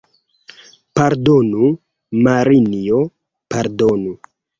Pardonu, Marinjo, pardonu!